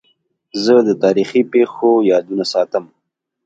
زه د تاریخي پېښو یادونه ساتم.